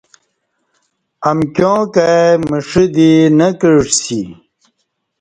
امکیاں کائی مݜہ دی نہ کعسی